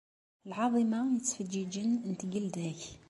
Lɛaḍima yettfeǧǧiǧen n tgelda-k.